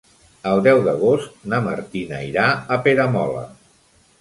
El deu d'agost na Martina irà a Peramola.